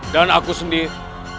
dan aku sendiri